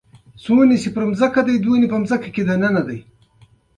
افغانستان د ښارونو د ساتنې لپاره قوانین لري.